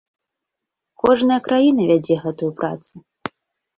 Кожная краіна вядзе гэтую працу.